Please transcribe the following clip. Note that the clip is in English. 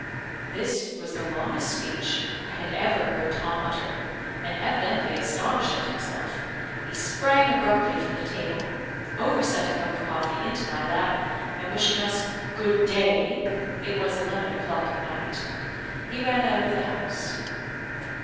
This was the longest speech I ever heard Tom utter; and, evidently astonished at himself, he sprang abruptly from the table, overset a cup of coffee into my lap, and wishing us good day (it was eleven o'clock at night), he ran out of the house.